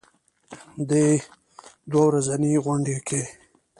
دې دوه ورځنۍ غونډه کې